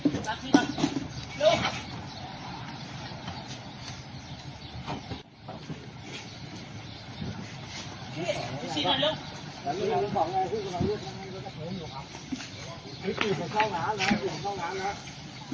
ไม่ร้องกัน